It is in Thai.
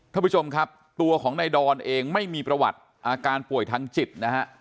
ท่านผู้ชมครับตัวของนายดอนเองไม่มีประวัติอาการป่วยทางจิตนะฮะ